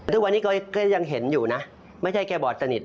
ทุกวันนี้ก็ยังเห็นอยู่นะไม่ใช่แค่บอดสนิท